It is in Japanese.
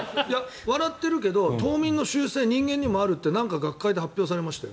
笑ってるけど冬眠の習性人間にもあるって何か学会で発表されましたよ。